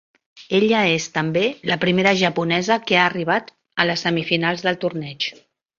Ella és també la primera japonesa que ha arribat a les semifinals del torneig.